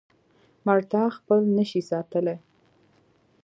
مړتا خپل نشي ساتلی.